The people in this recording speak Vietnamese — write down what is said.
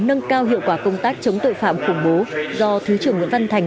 nâng cao hiệu quả công tác chống tội phạm khủng bố do thứ trưởng nguyễn văn thành